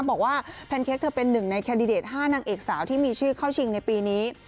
แพนเค้กเธอเป็นหนึ่งในแคนดิเดต๕นางเอกสาวที่มีชื่อเข้าชิงในปีนี้